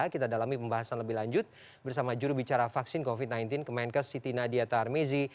kita dalami pembahasan lebih lanjut bersama jurubicara vaksin covid sembilan belas kemenkes siti nadia tarmizi